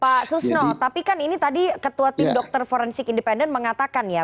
pak susno tapi kan ini tadi ketua tim dokter forensik independen mengatakan ya